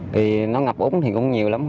thì nó ngập úng thì cũng nhiều lắm